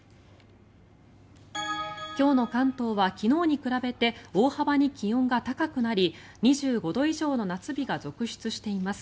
今日の関東は昨日に比べて大幅に気温が高くなり２５度以上の夏日が続出しています。